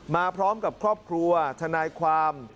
มาพร้อมกับครอบครัวทนายความ